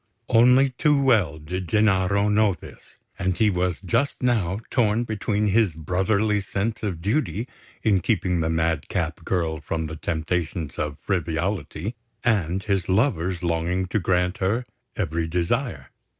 Only too well did Gennaro know this; and he was just now torn between his brotherly sense of duty in keeping the madcap girl from the temptations of frivolity, and his lover's longing to grant her every desire.